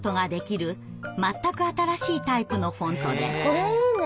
これいいね。